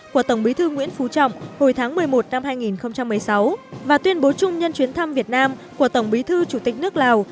của tổng bí thư nguyễn phú trọng hồi tháng một mươi một năm hai nghìn một mươi sáu và tuyên bố chung nhân chuyến thăm việt nam của tổng bí thư chủ tịch nước lào